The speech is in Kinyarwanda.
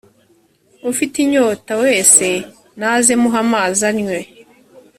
ufite inyota wese naze muhe amazi anywe